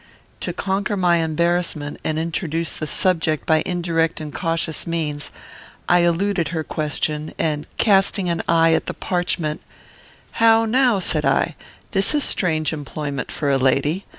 To conquer my embarrassment, and introduce the subject by indirect and cautious means, I eluded her question, and, casting an eye at the parchment, "How now?" said I; "this is strange employment for a lady.